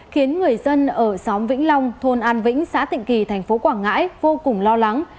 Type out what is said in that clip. khiến người dân ở xóm vĩnh long thôn an vĩnh xã tịnh kỳ thành phố quảng ngãi vô cùng lo lắng